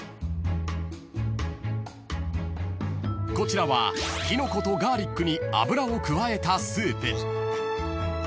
［こちらはキノコとガーリックに油を加えたスープ］